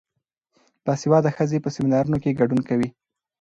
باسواده ښځې په سیمینارونو کې ګډون کوي.